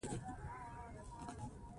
تاسي د اور نه ځان وساتئ